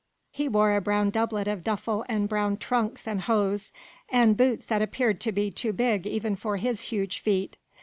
He wore a brown doublet of duffle and brown trunks and hose, and boots that appeared to be too big even for his huge feet.